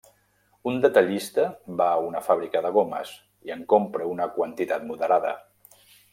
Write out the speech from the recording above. Un detallista va a una fàbrica de gomes, i en compra una quantitat moderada.